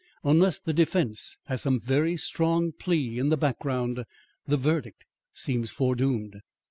Unless the defence has some very strong plea in the background, the verdict seems foredoomed.